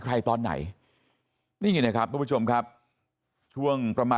ไม่รู้ตอนไหนอะไรยังไงนะ